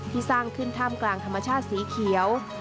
สร้างขึ้นท่ามกลางธรรมชาติสีเขียว